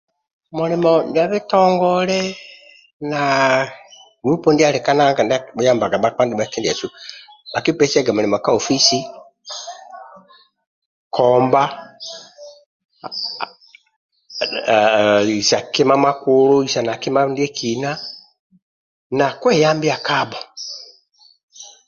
Mulimo ndia bitongole na gulupu ndia akibhuyambaga bhakpa ndibhe kindiasu akibhupesiaga ka ofisi komba isa kima makulu kima isa na kima ndiekina na kweyambia kabho